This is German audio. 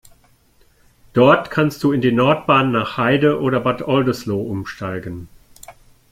Dort kannst du in die Nordbahn nach Heide oder Bad Oldesloe umsteigen.